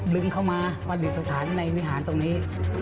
ลึงเข้ามาผลิตสถานในวิหารตรงนี้